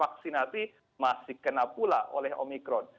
vaksinasi masih kena pula oleh omikron